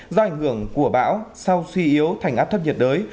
do ảnh hưởng của bão sau suy yếu thành áp thấp nhiệt đới